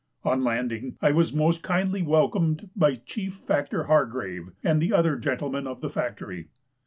On landing I was most kindly welcomed by Chief Factor Hargrave and the other gentlemen of the Factory.